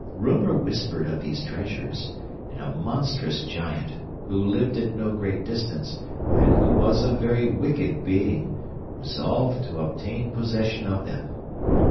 'Rumour whispered of these treasures; and a monstrous giant, who lived at no great distance, and who was a very wicked being, resolved to obtain possession of them.